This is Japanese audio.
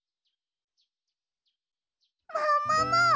ももも！